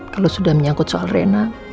kalau sudah menyangkut soal rena